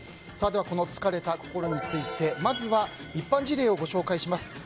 疲れた心についてまずは、一般事例からご紹介します。